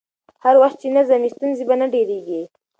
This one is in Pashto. هر وخت چې نظم وي، ستونزې به نه ډېرېږي.